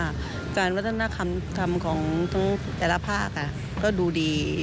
การวัฒนธรรมของทั้งแต่ละภาคก็ดูดี